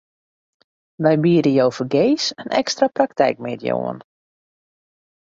Wy biede jo fergees in ekstra praktykmiddei oan.